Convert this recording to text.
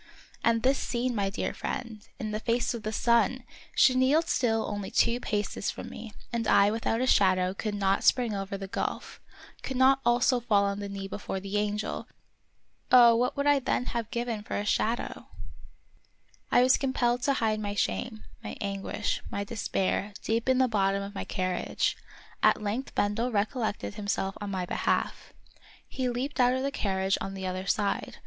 And this scene, my dear friend, in the face of the sun ! She kneeled still only two paces from me, and I without a shadow could not spring over the gulf, could not also fall on the knee before the angel ! Oh ! what would I then have given of Peter SchlemihL 37 for a shadow ! I was compelled to hide my shame, my anguish, my despair, deep in the bottom of my carriage. At length Bendel recollected himself on my behalf. He leaped out of the carriage on the other side.